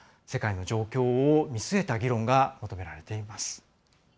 世界の状況を見据えた議論が求められています。